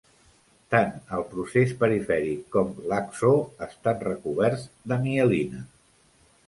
Tant el procés perifèric com l'axó estan recoberts de mielina.